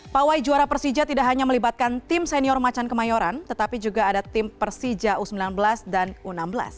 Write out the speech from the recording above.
pawai juara persija tidak hanya melibatkan tim senior macan kemayoran tetapi juga ada tim persija u sembilan belas dan u enam belas